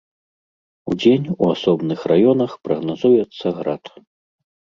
Удзень у асобных раёнах прагназуецца град.